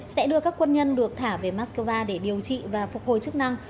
sẽ đưa các quân nhân được thả về moscow để điều trị và phục hồi chức năng